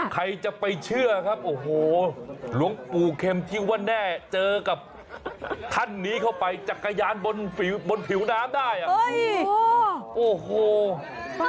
ใครจะไปเชื่อครับโอ้โหหลวงปู่เข็มที่ว่าแน่เจอกับท่านนี้เข้าไปจักรยานบนผิวน้ำได้อ่ะโอ้โห